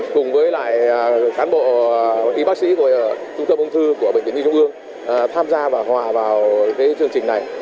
cùng với lại cán bộ y bác sĩ của trung tâm ung thư của bệnh viện nhi trung ương tham gia và hòa vào chương trình này